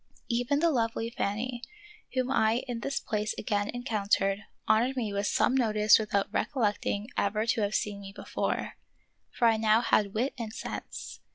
Even the lovely Fanny, whom I in this place again encountered, honored me with some notice without recollecting ever to have seen me before ; for I now had wit and sense.